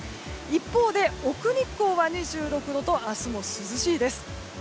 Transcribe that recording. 一方で奥日光は２６度と明日も涼しいです。